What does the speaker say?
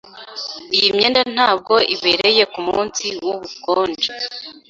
Iyi myenda ntabwo ibereye kumunsi wubukonje.